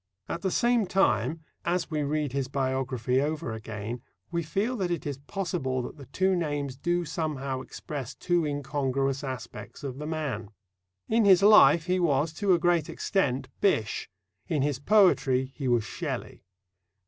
At the same time, as we read his biography over again, we feel that it is possible that the two names do somehow express two incongruous aspects of the man. In his life he was, to a great extent, Bysshe; in his poetry he was Shelley.